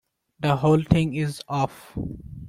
The whole thing is off.